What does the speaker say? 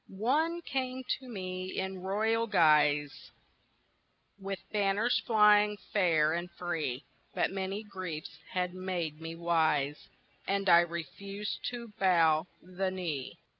ONE came to me in royal guise With banners flying fair and free But many griefs had made me wise And I refused to bow the knee.